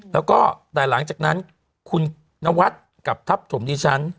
แล้วก็แต่หลังจากนั้นคุณนวัดกับทัพถมดิฉัน